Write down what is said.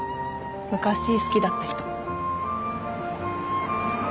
昔好きだった人。